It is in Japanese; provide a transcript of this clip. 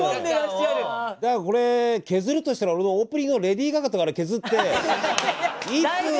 だからこれ削るとしたら俺のオープニングのレディー・ガガとか削って１分。